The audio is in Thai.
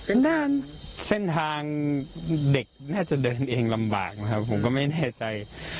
เป็นด้านเส้นทางเด็กน่าจะเดินเองลำบากนะครับผมก็ไม่แน่ใจ